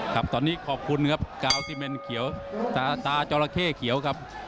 ครับตอนนี้ขอบคุณครับกาวซิเมนเขียวตาจอราเข้เขียวครับ